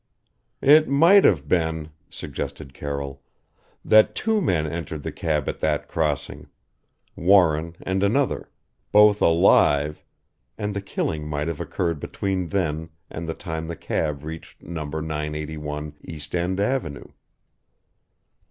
"It might have been," suggested Carroll, "that two men entered the cab at that crossing: Warren and another both alive, and the killing might have occurred between then and the time the cab reached number 981 East End Avenue."